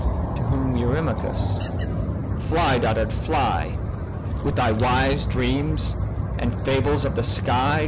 To whom Eurymachus—"Fly, dotard fly, With thy wise dreams, and fables of the sky.